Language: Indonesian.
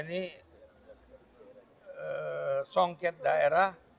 ini songket daerah